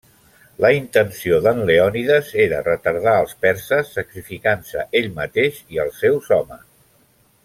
La intenció d'en Leònides era retardar els perses, sacrificant-se ell mateix i els seus homes.